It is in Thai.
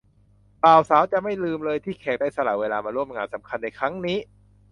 บ่าวสาวจะไม่ลืมเลยที่แขกได้สละเวลามาร่วมงานสำคัญในครั้งนี้